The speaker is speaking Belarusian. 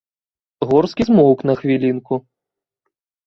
Горскі змоўк на хвілінку.